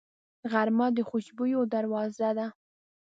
غرمه د خوشبویو دروازه ده